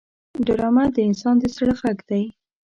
ډرامه د انسان د زړه غږ دی